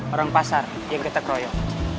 orang pasar yang ketek royok